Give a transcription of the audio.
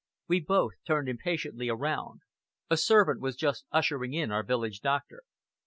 We both turned impatiently around. A servant was just ushering in our village doctor.